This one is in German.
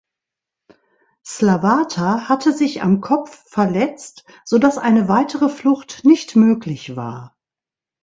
Slavata hatte sich am Kopf verletzt, so dass eine weitere Flucht nicht möglich war.